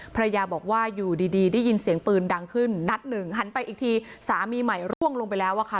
ภรรยาบอกว่าอยู่ดีได้ยินเสียงปืนดังขึ้นนัดหนึ่งหันไปอีกทีสามีใหม่ร่วงลงไปแล้วอะค่ะ